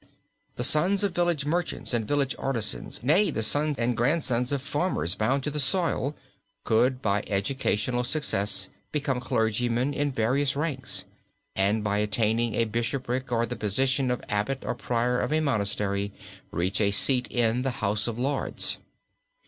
The sons of village merchants and village artisans, nay, the sons and grandsons of farmers bound to the soil, could by educational success become clergymen in various ranks, and by attaining a bishopric or the position of abbot or prior of a monastery, reach a seat in the House of Lords.